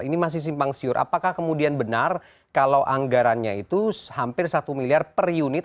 ini masih simpang siur apakah kemudian benar kalau anggarannya itu hampir satu miliar per unit